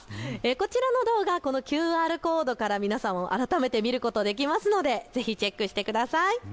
こちらの動画、このＱＲコードから皆さんも改めて見ることができますのでぜひチェックしてください。